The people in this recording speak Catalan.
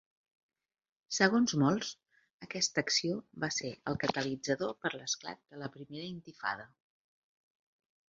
Segons molts, aquesta acció va ser el catalitzador per l'esclat de la Primera Intifada.